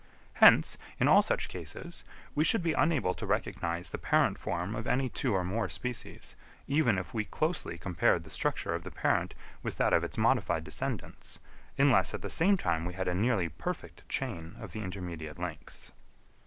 Hence, in all such cases, we should be unable to recognise the parent form of any two or more species, even if we closely compared the structure of the parent with that of its modified descendants, unless at the same time we had a nearly perfect chain of the intermediate links.